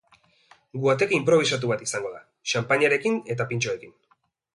Guateke inprobisatu bat izango da, xanpainarekin eta pintxoekin.